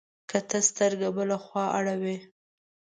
که ته سترګه بله خوا اړوې،